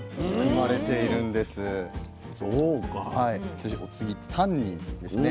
そしてお次タンニンですね。